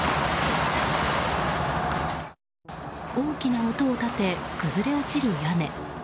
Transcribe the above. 大きな音を立て、崩れ落ちる屋根。